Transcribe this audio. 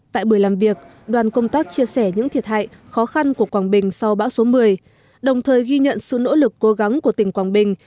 tại buổi làm việc đoàn công tác chia sẻ những thiệt hại khó khăn của quảng bình sau bão số một mươi đồng thời ghi nhận sự nỗ lực cố gắng của tỉnh quảng bình